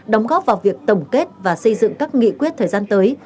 đóng góp vào việc tổng kết và xây dựng các nghị quyết thời gian tới